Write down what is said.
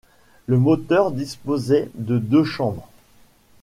Le moteur disposait de deux chambres.